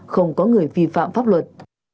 không có người phi phạm pháp luật